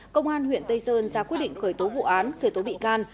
công an huyện tây sơn ra quyết định khởi tố vụ án khởi tố bị can